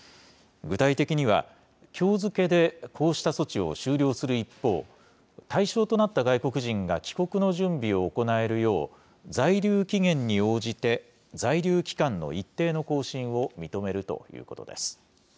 具体的には、きょう付けでこうした措置を終了する一方、対象となった外国人が帰国の準備を行えるよう、在留期限に応じて、在留期間の一定の更新を認めるということです。